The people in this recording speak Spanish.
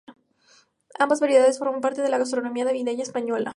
Ambas variedades forman parte de la gastronomía navideña española.